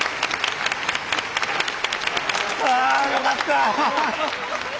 よかった！